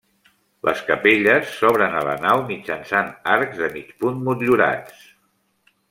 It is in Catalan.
Les capelles s'obren a la nau mitjançant arcs de mig punt motllurats.